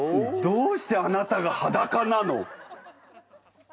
どうしてあなたが裸なの？